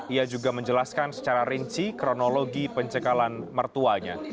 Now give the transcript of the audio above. ia juga menjelaskan secara rinci kronologi pencekalan mertuanya